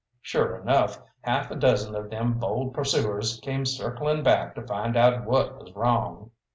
Sure enough, half a dozen of them bold pursuers came circling back to find out what was wrong.